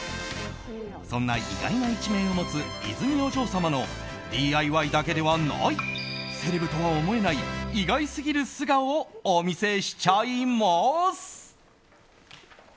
そんな意外な一面を持つ泉お嬢様のＤＩＹだけではないセレブとは思えない意外すぎる素顔をお見せしちゃいます。